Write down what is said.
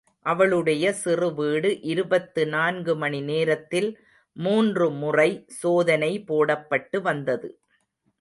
அவளுடைய சிறு வீடு இருபத்து நான்கு மணி நேரத்தில் மூன்று முறை சோதனை போடப்பட்டு வந்தது.